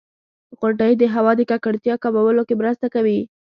• غونډۍ د هوا د ککړتیا کمولو کې مرسته کوي.